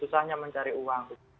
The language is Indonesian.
susahnya mencari uang